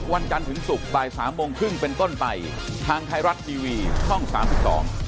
วิจารณ์ได้ครับเราสุจริตใจ